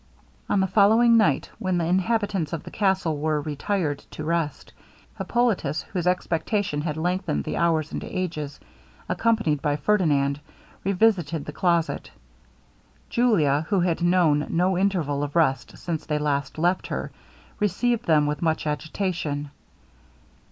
On the following night, when the inhabitants of the castle were retired to rest, Hippolitus, whose expectation had lengthened the hours into ages, accompanied by Ferdinand, revisited the closet. Julia, who had known no interval of rest since they last left her, received them with much agitation.